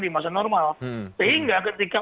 di masa normal sehingga ketika